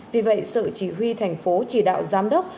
vì vậy sở chỉ huy thành phố chỉ đạo giám đốc